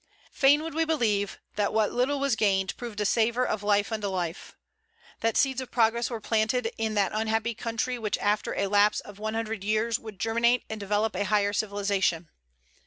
Fain would we believe that what little was gained proved a savor of life unto life; that seeds of progress were planted in that unhappy country which after a lapse of one hundred years would germinate and develop a higher civilization.